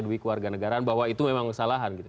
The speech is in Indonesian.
duwi keluarga negaraan bahwa itu memang kesalahan